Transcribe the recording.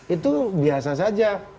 itu biasa saja